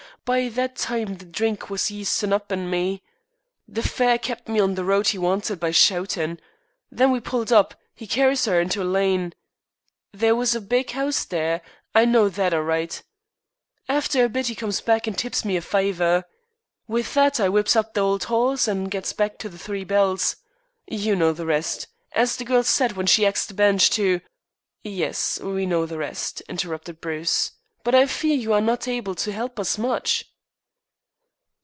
By that time the drink was yeastin' up in me. The fare kept me on the road 'e wanted by shoutin'. When we pulled up, 'e carries 'er into a lane. There was a big 'ouse there. I know that all right. After a bit 'e comes back and tips me a fiver. With that I whips up the old 'oss and gets back to the Three Bells. You know the rest, as the girl said when she axed the Bench to " "Yes, we know the rest," interrupted Bruce, "but I fear you are not able to help us much."